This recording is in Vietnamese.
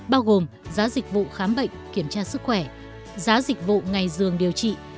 bao gồm giá dịch vụ khám bệnh kiểm tra sức khỏe giá dịch vụ ngày dường điều trị